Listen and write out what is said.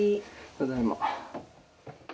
ただいま。